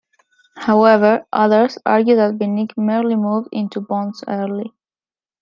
However, others argue that Vinik merely moved into bonds early.